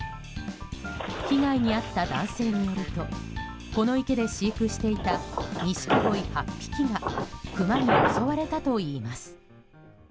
被害に遭った男性によるとこの池で飼育していたニシキゴイ８匹がクマに襲われたといいます。